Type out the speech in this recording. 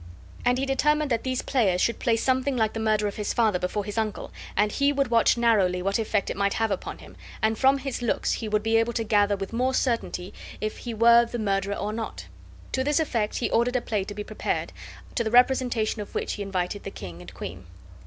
And he determined that these players should play something like the murder of his father before his uncle, and he would watch narrowly what effect it might have upon him, and from his looks he would be able to gather with more certainty if he were the murderer or not. To this effect he ordered a play to be prepared, to the representation of which he invited the king and queen.